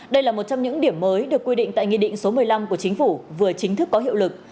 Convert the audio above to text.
đây là một trong những điểm mới được quy định tại nghị định số một mươi năm của chính phủ vừa chính thức có hiệu lực